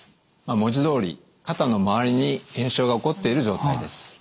文字どおり肩の周りに炎症が起こっている状態です。